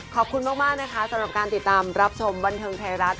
ขอบคุณมากนะคะสำหรับการติดตามรับชมบันเทิงไทยรัฐ